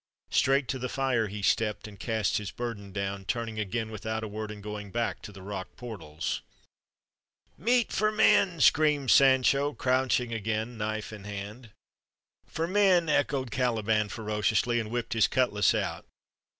Straight to the fire he stepped and cast his burden down, turning again without a word and going back to the rock portals. "Meat for men!" screamed Sancho, crouching again, knife in hand. "For men!" echoed Caliban ferociously, and whipped his cutlas out.